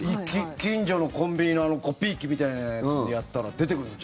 近所のコンビニのコピー機みたいなやつでやったら出てくるんです。